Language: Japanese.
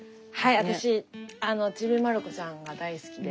私「ちびまる子ちゃん」が大好きで。